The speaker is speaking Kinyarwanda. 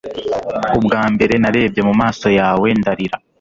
ubwa mbere narebye mumaso yawe ndarira